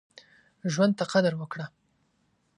ژوند ته قدر وکړه.